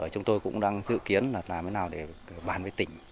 chúng tôi cũng đang dự kiến là làm thế nào để bàn với tỉnh